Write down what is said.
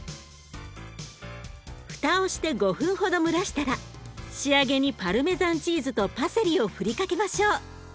蓋をして５分ほど蒸らしたら仕上げにパルメザンチーズとパセリを振りかけましょう。